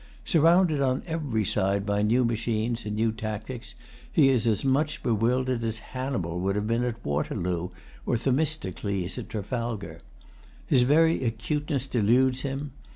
Surrounded on every side by new machines and new tactics, he is as much bewildered as Hannibal would have been at Waterloo, or Themistocles at Trafalgar. His very acuteness deludes him.